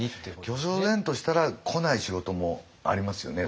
巨匠然としたら来ない仕事もありますよね